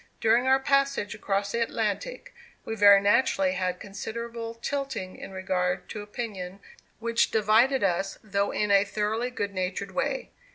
During our passage across the Atlantic, we very naturally had considerable tilting in regard to opinions which divided us, though in a thoroughly good natured way.